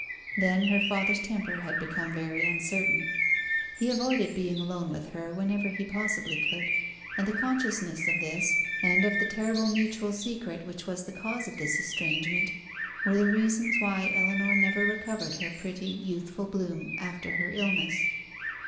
Then her father's temper had become very uncertain. He avoided being alone with her whenever he possibly could; and the consciousness of this, and of the terrible mutual secret which was the cause of this estrangement, were the reasons why Ellinor never recovered her pretty youthful bloom after her illness.